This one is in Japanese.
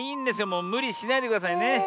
もうむりしないでくださいね。